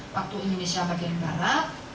waktu indonesia barat